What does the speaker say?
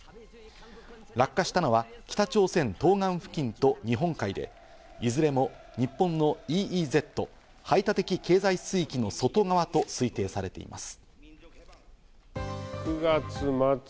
落下したのは北朝鮮東岸付近と日本海で、いずれも日本のＥＥＺ＝排他的経済水域の外側と推定されています。